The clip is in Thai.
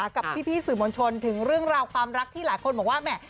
กับพี่สื่อมวลชนถึงเรื่องราวความรักที่หลายคนบอกว่าแหม